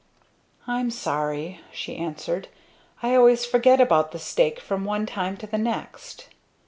"I'm sorry," she answered, "I always forget about the steak from one time to the next."